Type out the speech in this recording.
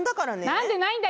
なんでないんだよ！